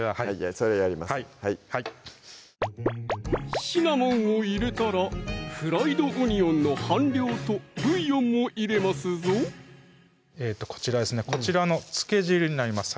はいシナモンを入れたらフライドオニオンの半量とブイヨンも入れますぞこちらの漬け汁になります